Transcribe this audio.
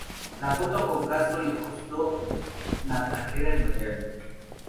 La foto con Castro le costó su carrera en Miami.